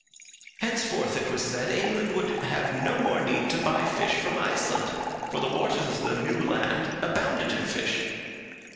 Henceforth, it was said, England would have no more need to buy fish from Iceland, for the waters of the new land abounded in fish.